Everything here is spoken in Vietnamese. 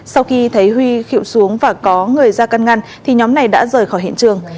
sau khi thấy huy hiệu xuống và có người ra căn ngăn thì nhóm này đã rời khỏi hiện trường